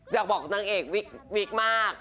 อยากบอกนางเอกวิกมาก